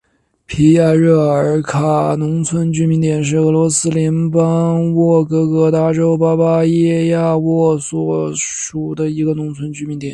皮亚热尔卡农村居民点是俄罗斯联邦沃洛格达州巴巴耶沃区所属的一个农村居民点。